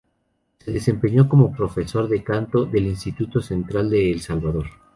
Se desempeñó como profesor de canto del Instituto Central de El Salvador.